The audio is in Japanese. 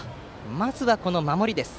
まずは守りです。